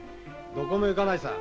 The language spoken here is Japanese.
どこも行かないさ。